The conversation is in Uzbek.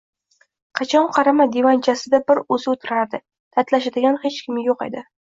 Qachon qarama, divanchasida bir oʻzi oʻtirardi, dardlashadigan hech kimi yoʻq edi.